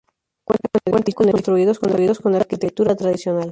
Cuenta con edificios construidos con la arquitectura tradicional.